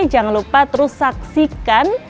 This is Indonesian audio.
jangan lupa terus saksikan